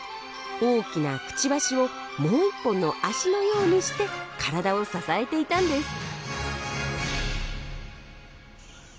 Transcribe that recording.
大きなクチバシをもう１本の足のようにして体を支えていたんです。